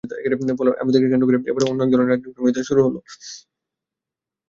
ফলে আমেথিকে কেন্দ্র করে এবার অন্য একধরনের রাজনৈতিক সংস্কৃতি শুরু হলো ভারতে।